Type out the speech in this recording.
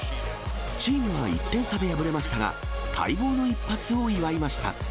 チームは１点差で敗れましたが、待望の一発を祝いました。